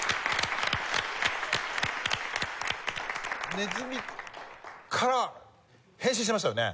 ねずみから変身してましたよね？